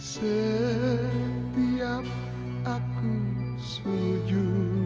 setiap aku setuju